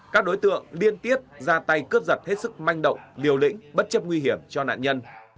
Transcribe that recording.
các đối tượng liên tiếp ra tay cướp giật hết sức manh động liều lĩnh bất chấp nguy hiểm cho nạn nhân